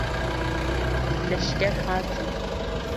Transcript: Leşger hatin.